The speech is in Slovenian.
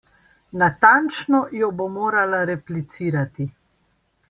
Natančno jo bo morala replicirati.